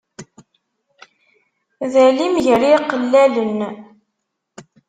D alim gar iqellalen.